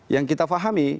yang kita fahami